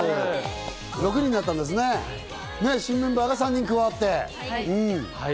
６人になったんですね、新メンバー３人加わって。